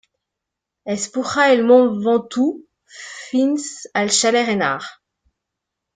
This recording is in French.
Es puja el Mont Ventoux fins al Chalet Reynard.